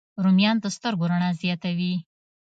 رومیان د سترګو رڼا زیاتوي